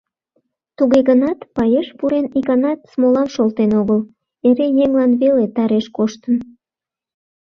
Туге гынат, паеш пурен иканат смолам шолтен огыл, эре еҥлан веле тареш коштын.